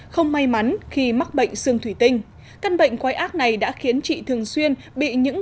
không may mắn khi mắc bệnh sương thủy tinh căn bệnh quái ác này đã khiến chị thường xuyên bị những